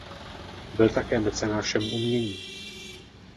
Byl také mecenášem umění.